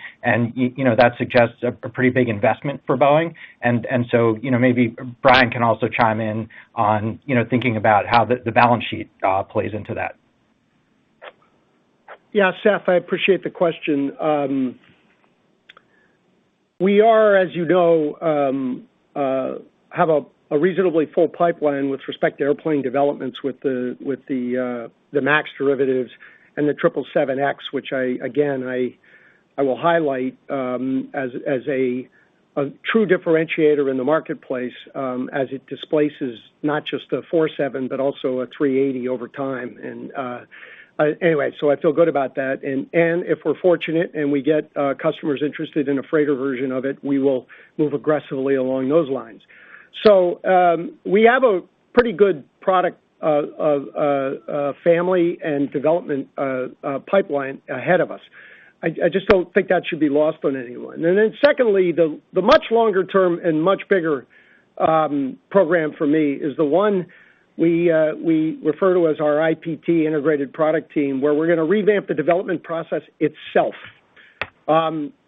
You know, that suggests a pretty big investment for Boeing. So, you know, maybe Brian can also chime in on, you know, thinking about how the balance sheet plays into that? Yeah, Seth, I appreciate the question. As you know, we have a reasonably full pipeline with respect to airplane developments with the MAX derivatives and the 777X, which I again will highlight as a true differentiator in the marketplace, as it displaces not just a 747, but also an A380 over time. I feel good about that. If we're fortunate and we get customers interested in a freighter version of it, we will move aggressively along those lines. We have a pretty good product family and development pipeline ahead of us. I just don't think that should be lost on anyone. Secondly, the much longer term and much bigger program for me is the one we refer to as our IPT, integrated product team, where we're gonna revamp the development process itself.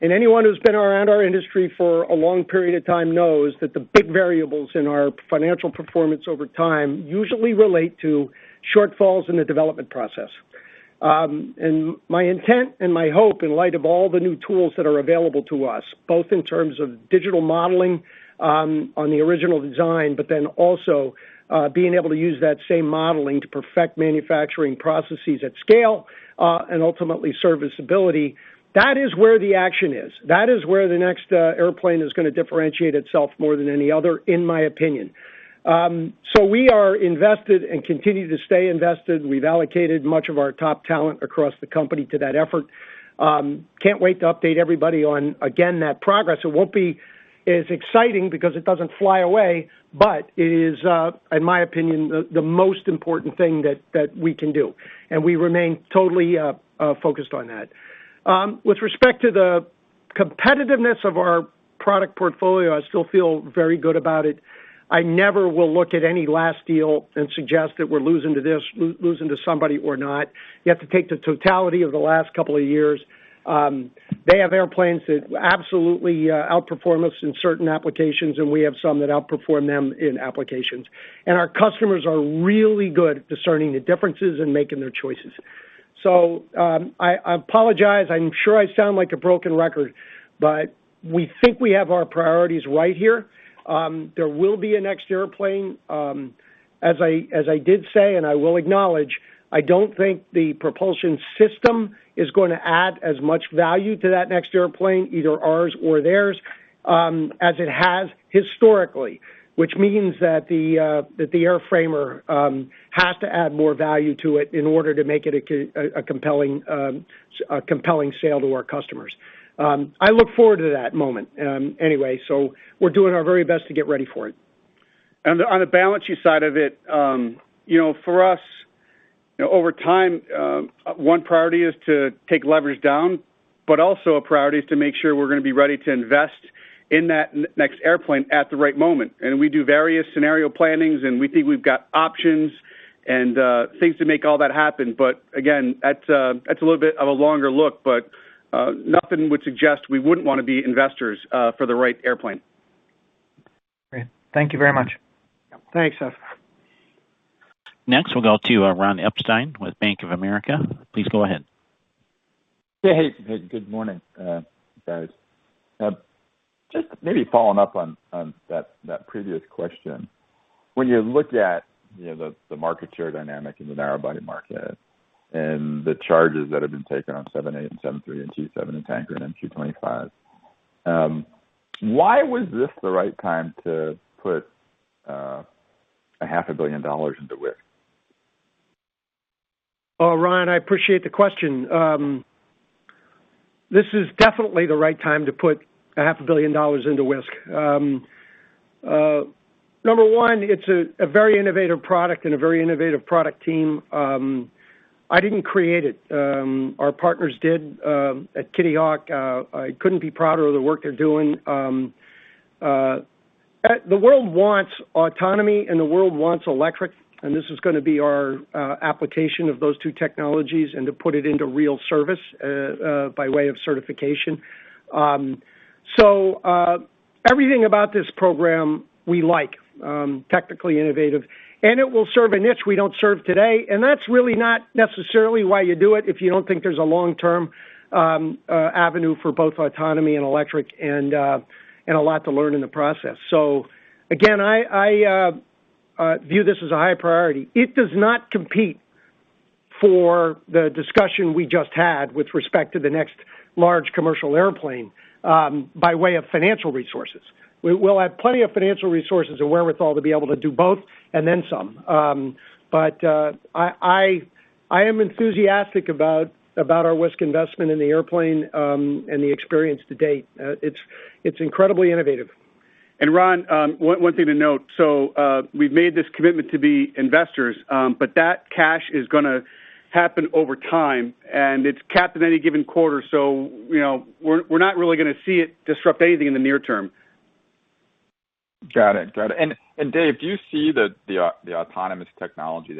Anyone who's been around our industry for a long period of time knows that the big variables in our financial performance over time usually relate to shortfalls in the development process. My intent and my hope in light of all the new tools that are available to us, both in terms of digital modeling on the original design, but then also being able to use that same modeling to perfect manufacturing processes at scale and ultimately serviceability. That is where the action is. That is where the next airplane is gonna differentiate itself more than any other, in my opinion. We are invested and continue to stay invested. We've allocated much of our top talent across the company to that effort. Can't wait to update everybody on, again, that progress. It won't be as exciting because it doesn't fly away, but it is, in my opinion, the most important thing that we can do, and we remain totally focused on that. With respect to the competitiveness of our product portfolio, I still feel very good about it. I never will look at any last deal and suggest that we're losing to this, losing to somebody or not. You have to take the totality of the last couple of years. They have airplanes that absolutely outperform us in certain applications, and we have some that outperform them in applications. Our customers are really good at discerning the differences and making their choices. I apologize. I'm sure I sound like a broken record, but we think we have our priorities right here. There will be a next airplane, as I did say, and I will acknowledge, I don't think the propulsion system is going to add as much value to that next airplane, either ours or theirs, as it has historically. Which means that the airframer has to add more value to it in order to make it a compelling sale to our customers. I look forward to that moment. We're doing our very best to get ready for it. On the balance sheet side of it, you know, for us, you know, over time, one priority is to take leverage down, but also a priority is to make sure we're gonna be ready to invest in that next airplane at the right moment. We do various scenario plannings, and we think we've got options and things to make all that happen. Again, that's a little bit of a longer look, but nothing would suggest we wouldn't wanna be investors for the right airplane. Great. Thank you very much. Thanks, Seth. Next, we'll go to Ron Epstein with Bank of America. Please go ahead. Hey, good morning, guys. Just maybe following up on that previous question. When you look at, you know, the market share dynamic in the narrow body market and the charges that have been taken on 787 and 737 and T-7 and KC-46 and MQ-25, why was this the right time to put $500 million into Wisk? Oh, Ron, I appreciate the question. This is definitely the right time to put $500 million into Wisk. Number one, it's a very innovative product and a very innovative product team. I didn't create it. Our partners did, at Kitty Hawk. I couldn't be prouder of the work they're doing. The world wants autonomy, and the world wants electric, and this is gonna be our application of those two technologies and to put it into real service by way of certification. Everything about this program we like, technically innovative, and it will serve a niche we don't serve today, and that's really not necessarily why you do it if you don't think there's a long-term avenue for both autonomy and electric and a lot to learn in the process. Again, I view this as a high priority. It does not compete for the discussion we just had with respect to the next large commercial airplane by way of financial resources. We'll have plenty of financial resources and wherewithal to be able to do both, and then some. I am enthusiastic about our Wisk investment in the airplane, and the experience to date. It's incredibly innovative. Ron, one thing to note. We've made this commitment to be investors, but that cash is gonna happen over time, and it's capped at any given quarter. You know, we're not really gonna see it disrupt anything in the near term. Got it. Dave, do you see the autonomous technology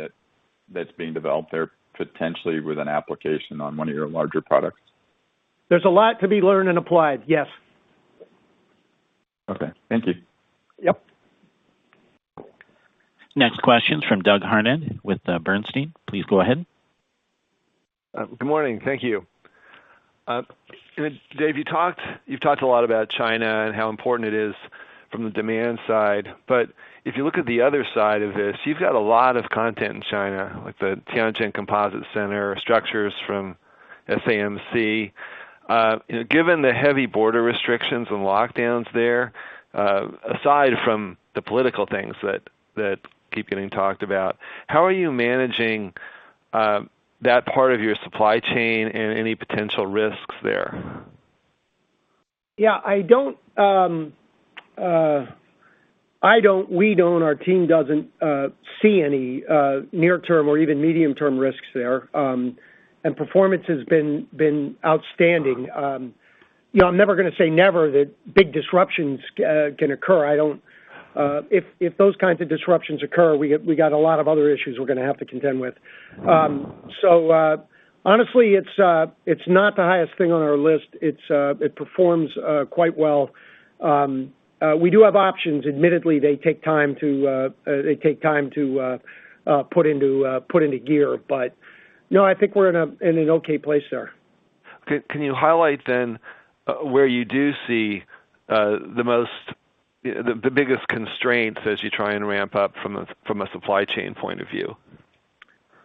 that's being developed there potentially with an application on one of your larger products? There's a lot to be learned and applied, yes. Okay. Thank you. Yep. Next question from Doug Harned with Bernstein. Please go ahead. Good morning. Thank you. Dave, you've talked a lot about China and how important it is from the demand side, but if you look at the other side of this, you've got a lot of content in China, like the Tianjin Composite Center, structures from SAMC. You know, given the heavy border restrictions and lockdowns there, aside from the political things that keep getting talked about, how are you managing that part of your supply chain and any potential risks there? Yeah, we don't, our team doesn't see any near term or even medium-term risks there. Performance has been outstanding. You know, I'm never gonna say never that big disruptions can occur. If those kinds of disruptions occur, we got a lot of other issues we're gonna have to contend with. Honestly, it's not the highest thing on our list. It performs quite well. We do have options. Admittedly, they take time to put into gear. No, I think we're in an okay place there. Can you highlight then where you do see the most, the biggest constraints as you try and ramp up from a supply chain point of view?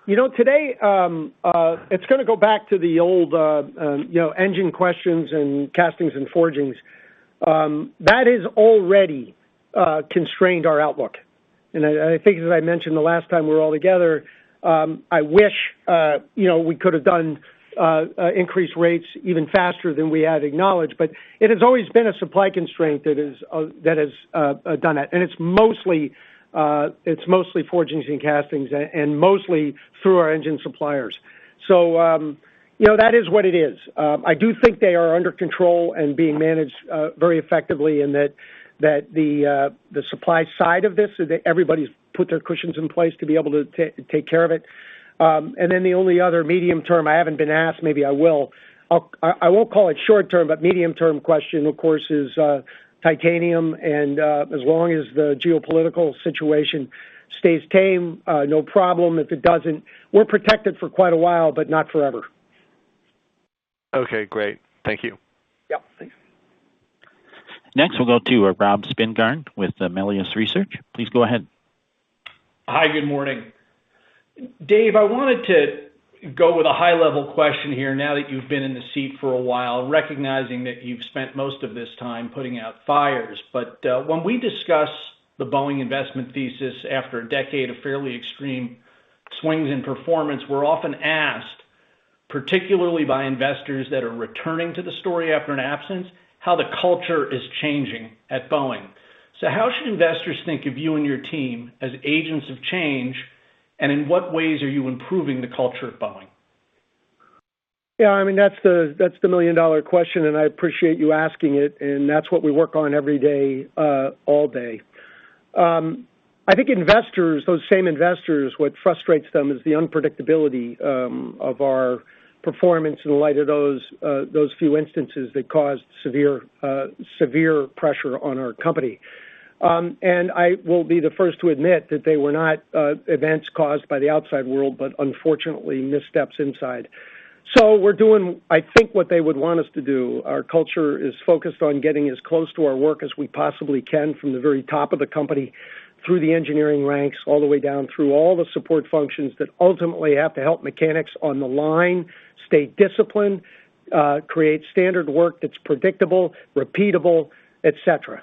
You know, today, it's gonna go back to the old, you know, engine questions and castings and forgings. That has already constrained our outlook. I think as I mentioned the last time we were all together, I wish, you know, we could have done increased rates even faster than we had acknowledged, but it has always been a supply constraint that has done it. It's mostly forgings and castings and mostly through our engine suppliers. You know, that is what it is. I do think they are under control and being managed very effectively and that the supply side of this, everybody's put their cushions in place to be able to take care of it. The only other medium term, I haven't been asked, maybe I will. I won't call it short term, but medium term question, of course, is titanium and as long as the geopolitical situation stays tame, no problem. If it doesn't, we're protected for quite a while, but not forever. Okay, great. Thank you. Yep. Thanks. Next, we'll go to Rob Spingarn with Melius Research. Please go ahead. Hi, good morning. Dave, I wanted to go with a high-level question here now that you've been in the seat for a while, recognizing that you've spent most of this time putting out fires. When we discuss the Boeing investment thesis after a decade of fairly extreme swings in performance, we're often asked, particularly by investors that are returning to the story after an absence, how the culture is changing at Boeing. How should investors think of you and your team as agents of change, and in what ways are you improving the culture at Boeing? Yeah, I mean, that's the, that's the million-dollar question, and I appreciate you asking it, and that's what we work on every day, all day. I think investors, those same investors, what frustrates them is the unpredictability of our performance in light of those few instances that caused severe pressure on our company. I will be the first to admit that they were not events caused by the outside world, but unfortunately, missteps inside. We're doing, I think, what they would want us to do. Our culture is focused on getting as close to our work as we possibly can from the very top of the company through the engineering ranks, all the way down through all the support functions that ultimately have to help mechanics on the line stay disciplined, create standard work that's predictable, repeatable, et cetera.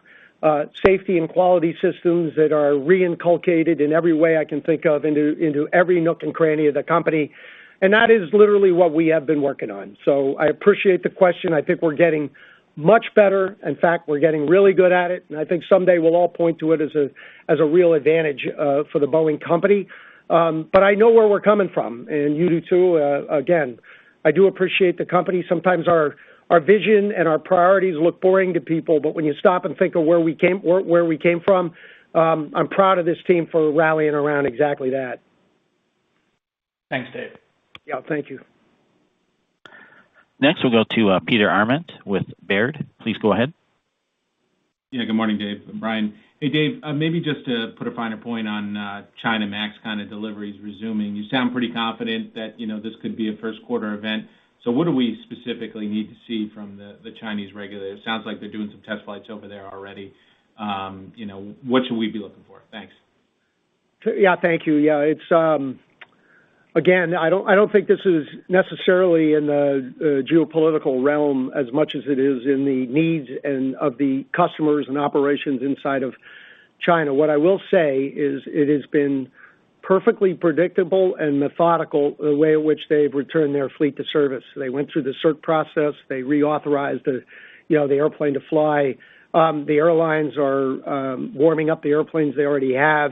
Safety and quality systems that are reinculcated in every way I can think of into every nook and cranny of the company. That is literally what we have been working on. I appreciate the question. I think we're getting much better. In fact, we're getting really good at it, and I think someday we'll all point to it as a real advantage for the Boeing Company. But I know where we're coming from, and you do too. Again, I do appreciate the company. Sometimes our vision and our priorities look boring to people, but when you stop and think of where we came from, I'm proud of this team for rallying around exactly that. Thanks, Dave. Yeah, thank you. Next, we'll go to Peter Arment with Baird. Please go ahead. Yeah. Good morning, Dave and Brian. Hey, Dave, maybe just to put a finer point on 737 MAX kind of deliveries resuming. You sound pretty confident that, you know, this could be a first quarter event. What do we specifically need to see from the Chinese regulators? Sounds like they're doing some test flights over there already. You know, what should we be looking for? Thanks. Yeah. Thank you. Yeah, it's again, I don't think this is necessarily in the geopolitical realm as much as it is in the needs of the customers and operations inside of China. What I will say is, it has been perfectly predictable and methodical the way in which they've returned their fleet to service. They went through the cert process, they reauthorized the airplane to fly. The airlines are warming up the airplanes they already have.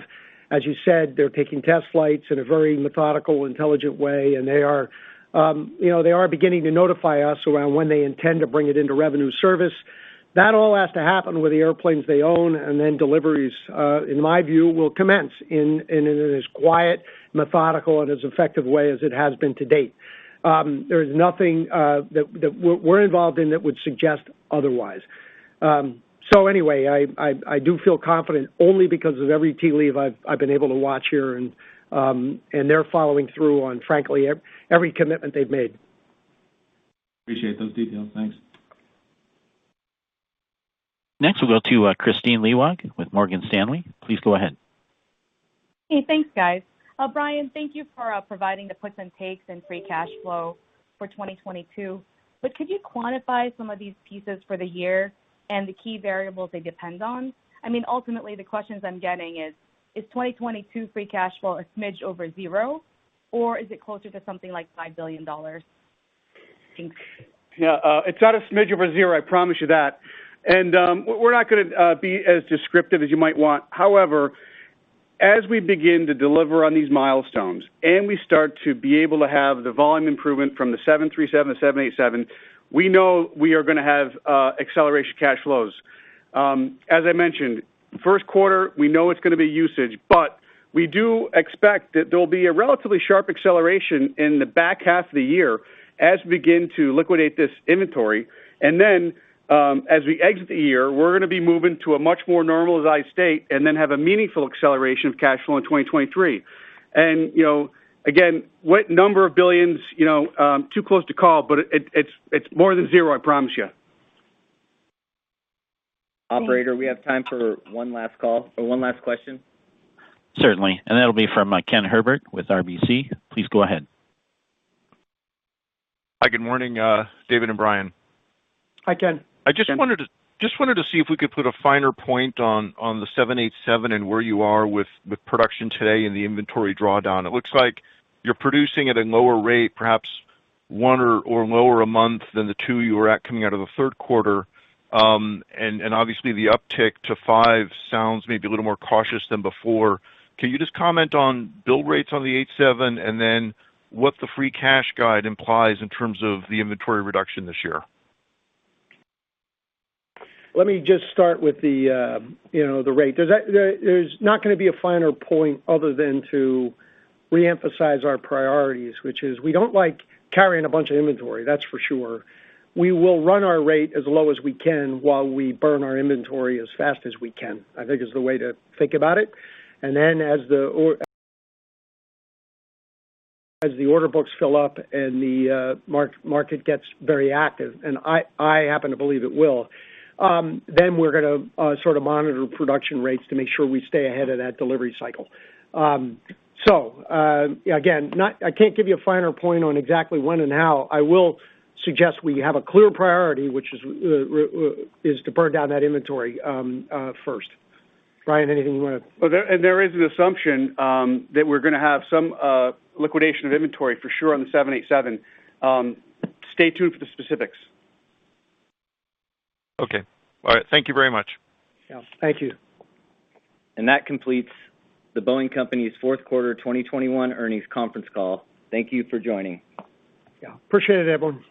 As you said, they're taking test flights in a very methodical, intelligent way, and they are beginning to notify us around when they intend to bring it into revenue service. That all has to happen with the airplanes they own, and then deliveries, in my view, will commence in as quiet, methodical, and as effective way as it has been to date. There is nothing that we're involved in that would suggest otherwise. Anyway, I do feel confident only because of every tea leaf I've been able to watch here and they're following through on, frankly, every commitment they've made. Appreciate those details. Thanks. Next, we'll go to Kristine Liwag with Morgan Stanley. Please go ahead. Hey, thanks, guys. Brian, thank you for providing the puts and takes in free cash flow for 2022. Could you quantify some of these pieces for the year and the key variables they depend on? I mean, ultimately, the questions I'm getting is 2022 free cash flow a smidge over zero, or is it closer to something like $5 billion? Thanks. Yeah, it's not a smidge over zero, I promise you that. We're not gonna be as descriptive as you might want. However, as we begin to deliver on these milestones, and we start to be able to have the volume improvement from the 737-787, we know we are gonna have acceleration cash flows. As I mentioned, first quarter, we know it's gonna be usage, but we do expect that there'll be a relatively sharp acceleration in the back half of the year as we begin to liquidate this inventory. As we exit the year, we're gonna be moving to a much more normalized state and then have a meaningful acceleration of cash flow in 2023. You know, again, what number of billions, you know, too close to call, but it's more than zero, I promise you. Thanks. Operator, we have time for one last call or one last question. Certainly. That'll be from Ken Herbert with RBC. Please go ahead. Hi. Good morning, Dave and Brian. Hi, Ken. Just wanted to see if we could put a finer point on the 787 and where you are with production today and the inventory drawdown. It looks like you're producing at a lower rate, perhaps one or lower a month than the two you were at coming out of the third quarter. And obviously the uptick to five sounds maybe a little more cautious than before. Can you just comment on build rates on the 787 and then what the free cash guide implies in terms of the inventory reduction this year? Let me just start with the, you know, the rate. There's not gonna be a finer point other than to reemphasize our priorities, which is we don't like carrying a bunch of inventory, that's for sure. We will run our rate as low as we can while we burn our inventory as fast as we can, I think is the way to think about it. As the order books fill up and the market gets very active, and I happen to believe it will, then we're gonna sort of monitor production rates to make sure we stay ahead of that delivery cycle. Again, not. I can't give you a finer point on exactly when and how. I will suggest we have a clear priority, which is to burn down that inventory first. Brian, anything you wanna- There is an assumption that we're gonna have some liquidation of inventory for sure on the 787. Stay tuned for the specifics. Okay. All right. Thank you very much. Yeah. Thank you. That completes The Boeing Company's fourth quarter 2021 earnings conference call. Thank you for joining. Yeah. Appreciate it, everyone.